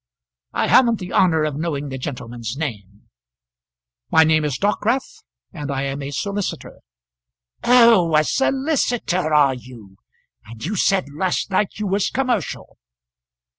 I haven't the honour of knowing the gentleman's name." "My name is Dockwrath, and I am a solicitor." "Oh, a solicitor; are you? and you said last night you was commercial!